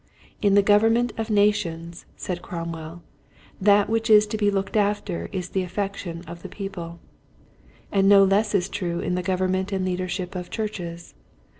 " In the government of nations," said Cromwell, "that which is to be looked after is the affection of the peo ple," and no less is true in the government and leadership of churches.